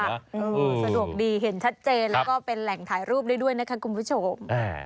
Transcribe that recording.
สะดวกดีเห็นชัดเจนแล้วก็เป็นแหล่งถ่ายรูปได้ด้วยนะคะคุณผู้ชม